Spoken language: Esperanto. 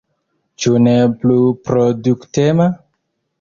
Ĉu ne plu produktema?